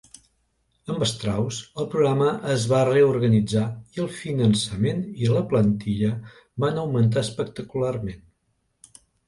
Amb Strauss, el programa es va reorganitzar i el finançament i la plantilla van augmentar espectacularment.